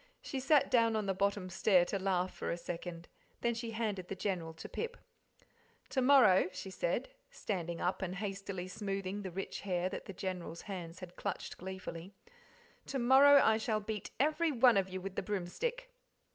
She sat down on the bottom stair to laugh for a second, then she handed the General to Pip. "To morrow," she said, standing up and hastily smoothing the rich hair that the General's hands had clutched gleefully "to morrow I shall beat every one of you with the broomstick."